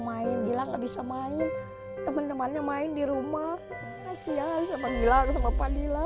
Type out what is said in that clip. main bilang bisa main teman temannya main di rumah kasihan sama gila sama padilla